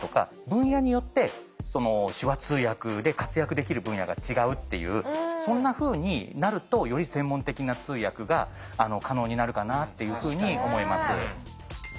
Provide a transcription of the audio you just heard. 分野によって手話通訳で活躍できる分野が違うっていうそんなふうになるとより専門的な通訳が可能になるかなっていうふうに思います。